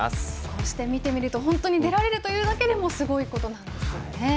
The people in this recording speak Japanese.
こうして見てみると出られるということだけでもすごいことなんですね。